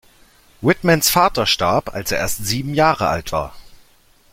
Whitmans Vater starb, als er erst sieben Jahre alt war.